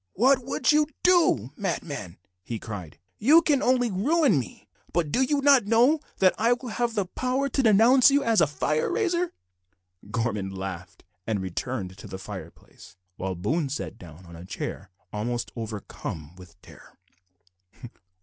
"What would you do, madman?" he cried. "You can only ruin me, but do you not know that I will have the power to denounce you as a fire raiser?" Gorman laughed, and returned to the fireplace, while Boone sat down on a chair almost overcome with terror.